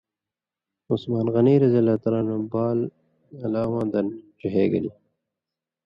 عُثمانؓ غنی بال الاواں دَن ڇِہے گِلیۡ؛